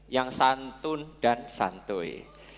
yang santun dan santui